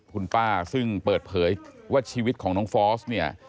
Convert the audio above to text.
คุณป้าซึ่งเปิดเผยว่าชีวิตของน้องฟอสเนี่ย